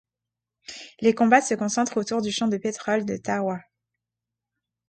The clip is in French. Les combats se concentrent autour du champ de pétrole de Thawrah.